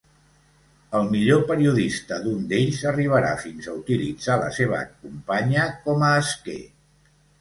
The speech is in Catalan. El millor periodista d'un d'ells arribarà fins a utilitzar la seva companya com a esquer.